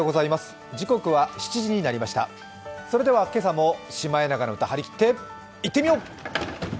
それでは今朝も「シマエナガの歌」はりきっていってみよう。